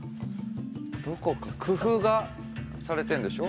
どこか工夫がされてんでしょう？